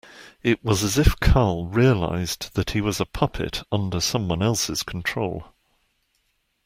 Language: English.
It was as if Carl realised that he was a puppet under someone else's control.